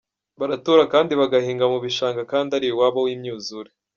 Baratura kandi bagahinga mu bishanga, kandi ari iwabo w’imyuzure.